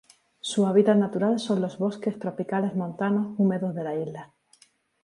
Su hábitat natural son los bosques tropicales montanos húmedos de la isla.